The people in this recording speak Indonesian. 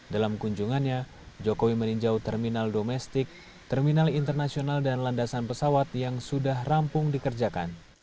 dalam kunjungannya jokowi meninjau terminal domestik terminal internasional dan landasan pesawat yang sudah rampung dikerjakan